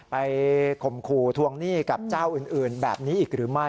ข่มขู่ทวงหนี้กับเจ้าอื่นแบบนี้อีกหรือไม่